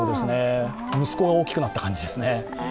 息子が大きくなった感じですね。